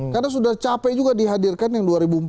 karena sudah capek juga dihadirkan yang dua ribu empat belas